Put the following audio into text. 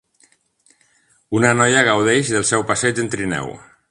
Una noia gaudeix del seu passeig en trineu.